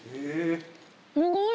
すごい。